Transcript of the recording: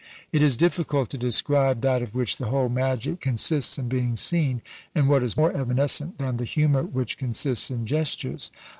It is difficult to describe that of which the whole magic consists in being seen; and what is more evanescent than the humour which consists in gestures?